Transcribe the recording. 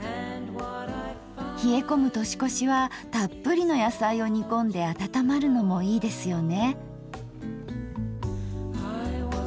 冷え込む年越しはたっぷりの野菜を煮こんで温まるのもいいですよね。